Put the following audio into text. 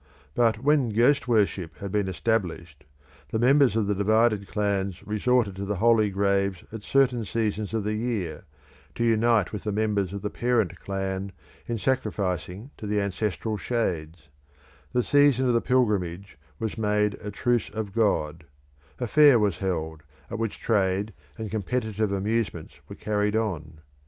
But when ghost worship had been established, the members of the divided clans resorted to the holy graves at certain seasons of the year to unite with the members of the parent clan in sacrificing to the ancestral shades; the season of the pilgrimage was made a Truce of God; a fair was held, at which trade and competitive amusements were carried on.